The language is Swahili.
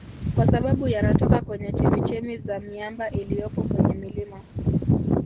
Kwa sababu yanatoka kwenye chemichemi za miamba iliyopo kwenye milima